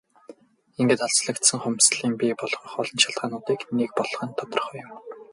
Ингээд алслагдал хомсдолыг бий болгох олон шалтгаануудын нэг болох нь тодорхой юм.